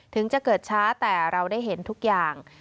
ถึงจะเกิดช้าแต่เราได้เห็นทุกอย่าง